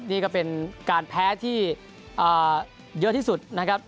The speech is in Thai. นี่ก็เป็นการแพ้ที่เยอะที่สุดนะครับ